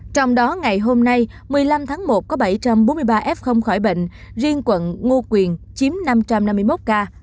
trong đó ngày hôm nay một mươi năm tháng một có bảy trăm bốn mươi ba f khỏi bệnh riêng quận ngo quyền chiếm năm trăm năm mươi một ca